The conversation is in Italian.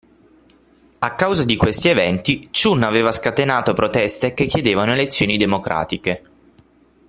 A causa di questi eventi, Chun aveva scatenato proteste che chiedevano elezioni democratiche.